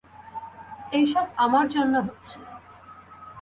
এইসব আমার জন্য হচ্ছে।